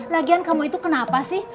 lagian kamu itu kenapa sih